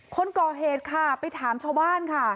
คนก่อเหตุค่ะไปถามชาวบ้านค่ะ